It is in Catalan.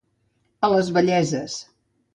A les velleses.